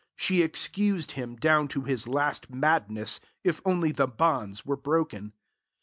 She excused him down to his last madness, if only the bonds were broken.